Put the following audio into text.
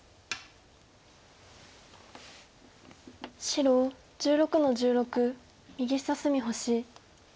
白１６の十六右下隅星。